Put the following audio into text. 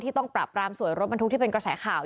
ต้องปรับปรามสวยรถบรรทุกที่เป็นกระแสข่าว